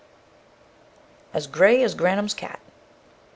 _As gray as Grannum's cat.